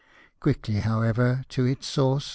Quickly, however, to its source.